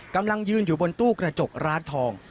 กำลังยืนอยู่บนตู้กระจกร้านทอง